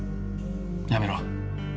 やめろ。